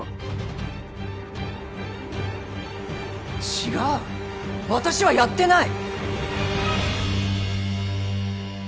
違う私はやってない。